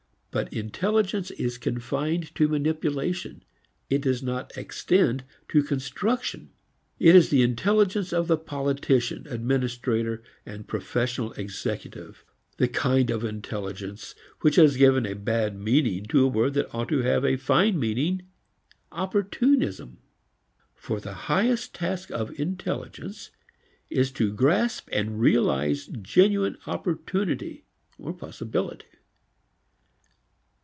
But intelligence is confined to manipulation; it does not extend to construction. It is the intelligence of the politician, administrator and professional executive the kind of intelligence which has given a bad meaning to a word that ought to have a fine meaning, opportunism. For the highest task of intelligence is to grasp and realize genuine opportunity, possibility.